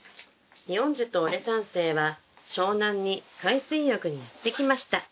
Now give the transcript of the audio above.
ピ・ヨンジュとオレ三世は湘南に海水浴にやって来ました。